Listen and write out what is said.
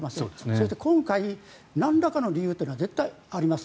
そして、今回なんらかの理由というのは絶対にあります。